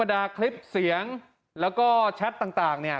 ดาคลิปเสียงแล้วก็แชทต่างเนี่ย